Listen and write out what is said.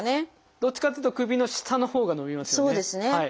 どっちかっていうと首の下のほうが伸びますよね。